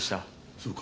そうか。